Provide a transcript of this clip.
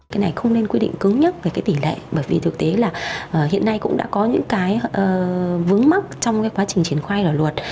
cái này không nên quy định cứng nhất về cái tỷ lệ bởi vì thực tế là hiện nay cũng đã có những cái vướng mắc trong cái quá trình triển khoai là luật